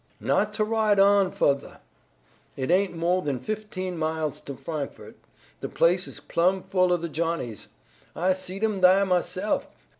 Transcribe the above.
"Not to ride on fuhthah. It ain't mo' than fifteen miles to Frankfort. The place is plum full of the Johnnies. I seed 'em thah myself.